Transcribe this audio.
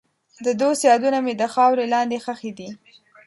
د دوست یادونه مې د خاورې لاندې ښخې دي.